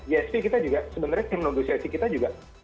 gsp kita juga sebenarnya tim negosiasi kita juga